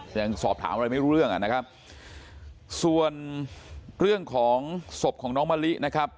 ยังสอบถามอะไรไม่รู้เรื่องอ่ะนะครับส่วนเรื่องของศพของน้องมะลินะครับ